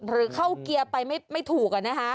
หรือเข้าเกียร์ไปไม่ถูก